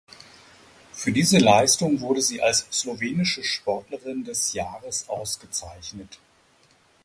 Für diese Leistung wurde sie als slowenische Sportlerin des Jahres ausgezeichnet.